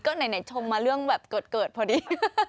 ก็ไหนชมมาเรื่องแบบเกิดพอดี